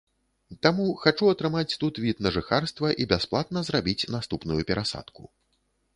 Таму хачу атрымаць тут від на жыхарства і бясплатна зрабіць наступную перасадку.